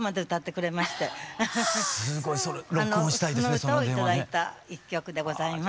その歌を頂いた１曲でございます。